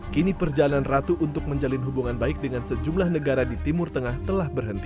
kini perjalanan ratu untuk menjalin hubungan baik dengan sejumlah negara di timur tengah telah berhenti